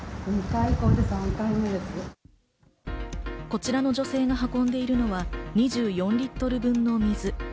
こちらの女性が運んでいるのは２４リットル分の水。